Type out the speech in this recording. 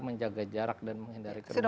menjaga jarak dan menghindari kerumunan